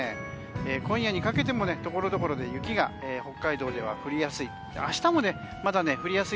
今夜にかけてもところどころ雪が北海道では、降りやすい。